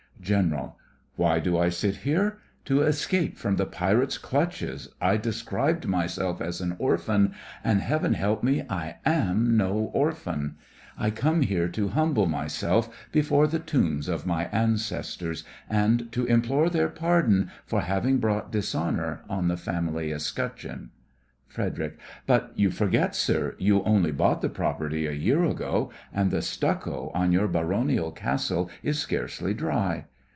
GENERAL: Why do I sit here? To escape from the pirates' clutches, I described myself as an orphan; and, heaven help me, I am no orphan! I come here to humble myself before the tombs of my ancestors, and to implore their pardon for having brought dishonour on the family escutcheon. FREDERIC: But you forget, sir, you only bought the property a year ago, and the stucco on your baronial castle is scarcely dry.